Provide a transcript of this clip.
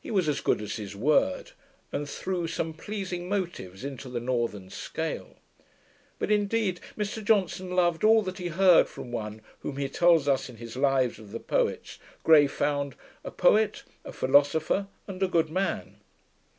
He was as good as his word, and threw some pleasing motives into the northern scale. But, indeed, Mr Johnson loved all that he heard from one whom he tells us, in his Lives of the Poets, Gray found 'a poet, a philosopher, and a good man'.